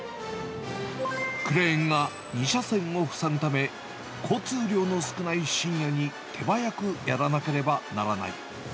クレーンが２車線を塞ぐため、交通量の少ない深夜に手早くやらなければならない。